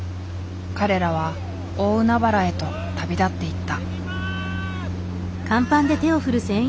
彼らは大海原へと旅立っていった。